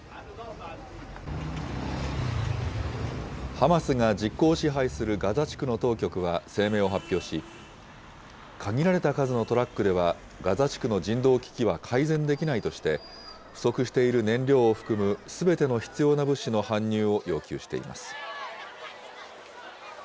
ハマスが実効支配するガザ地区の当局は声明を発表し、限られた数のトラックではガザ地区の人道危機は改善できないとして、不足している燃料を含むすべての必要な物資の搬入を要求しています。